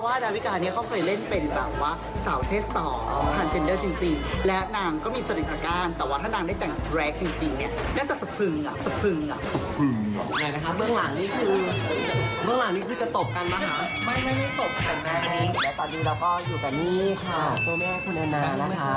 ไม่ไม่ตบกันนะและตอนนี้เราก็อยู่กันนี่ค่ะตัวแม่คุณอาณานะคะ